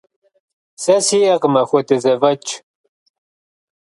Сэ сиӀэкъым апхуэдэ зэфӀэкӀ.